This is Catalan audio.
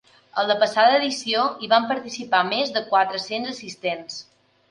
A la passada edició hi van participar més de quatre-cents assistents.